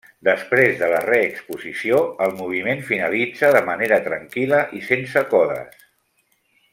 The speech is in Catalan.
Després de la reexposició, el moviment finalitza de manera tranquil·la i sense codes.